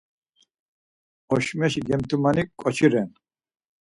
Oşmeşi gemtumani ǩoçi ren.